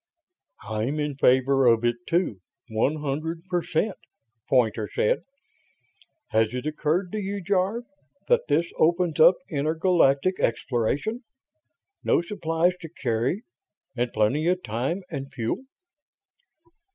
"I'm in favor of it, too, one hundred per cent," Poynter said. "Has it occurred to you, Jarve, that this opens up intergalactic exploration? No supplies to carry and plenty of time and fuel?"